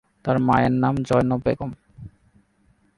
তার মায়ের নাম জয়নব বেগম।